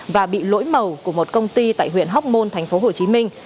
và bị lỗi màu của một công ty tại huyện hóc môn thành phố hồ chí minh